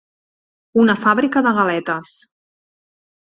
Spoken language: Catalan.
Una fàbrica de galetes.